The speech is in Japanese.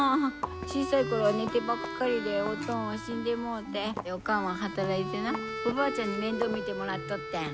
小さい頃は寝てばっかりでおとんは死んでもうておかんは働いてなおばあちゃんに面倒見てもらっとってん。